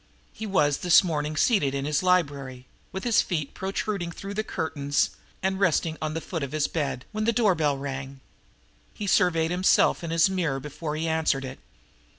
He was this morning seated in his library, with his feet protruding through the curtains and resting on the foot of his bed, when the doorbell rang. He surveyed himself in his mirror before he answered it.